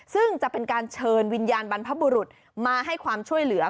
ซึ่งจะเป็นการเชิญวิญญาณบรรพบุรุษมาให้ความช่วยเหลือ